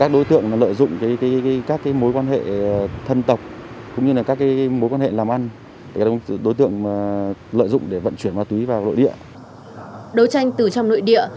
đối tranh từ trong nội địa